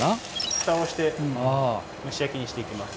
蓋をして蒸し焼きにしていきます。